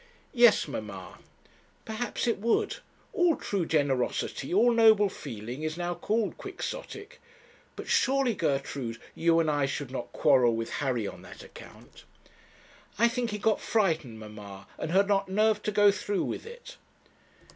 'Yes, mamma.' 'Perhaps it would. All true generosity, all noble feeling, is now called Quixotic. But surely, Gertrude, you and I should not quarrel with Harry on that account.' 'I think he got frightened, mamma, and had not nerve to go through with it.'